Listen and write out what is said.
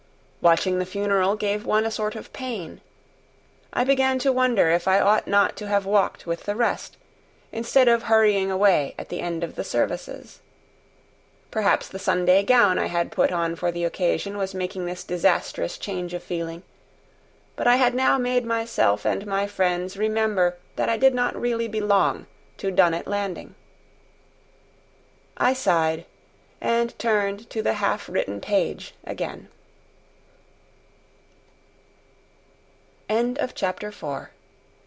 Watching the funeral gave one a sort of pain. I began to wonder if I ought not to have walked with the rest, instead of hurrying away at the end of the services. Perhaps the Sunday gown I had put on for the occasion was making this disastrous change of feeling, but I had now made myself and my friends remember that I did not really belong to Dunnet Landing. I sighed, and turned to the half written page again.